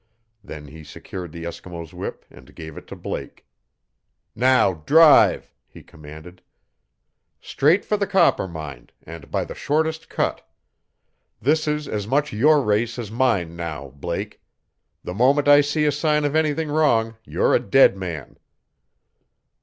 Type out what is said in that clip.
Then he secured the Eskimo's whip and gave it to Blake. "Now drive!" he commanded. "Straight for the Coppermine, and by the shortest cut. This is as much your race as mine now, Blake. The moment I see a sign of anything wrong you're a dead man!"